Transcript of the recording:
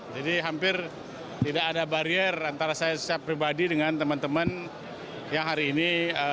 jadi hampir tidak ada barier antara saya secara pribadi dengan teman teman yang hari ini